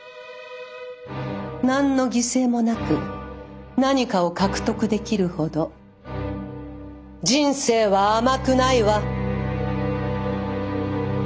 何の犠牲もなく何かを獲得できるほど人生は甘くないわ！